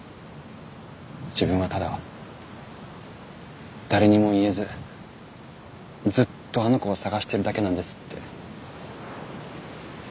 自分はただ誰にも言えずずっとあの子を捜しているだけなんです」って。